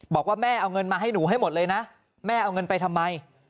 บอกว่าแม่เอาเงินมาให้หนูให้หมดเลยนะแม่เอาเงินไปทำไม